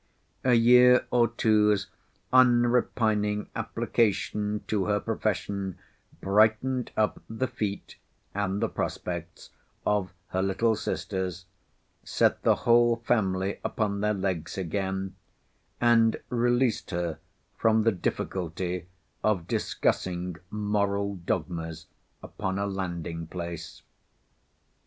A year or two's unrepining application to her profession brightened up the feet, and the prospects, of her little sisters, set the whole family upon their legs again, and released her from the difficulty of discussing moral dogmas upon a landing place.